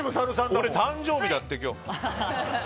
俺、誕生日だって今日。